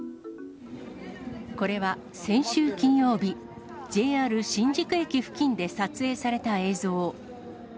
これは先週金曜日、ＪＲ新宿駅付近で撮影された映像。